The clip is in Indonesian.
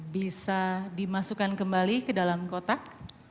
bisa dimasukkan kembali ke dalam kotak